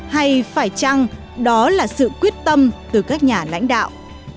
hay phải chăng đó là sự quyết tâm từ các nhà lãnh đạo